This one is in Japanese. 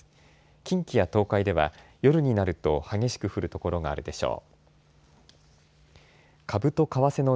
近畿や東海では夜になると激しく降る所があるでしょう。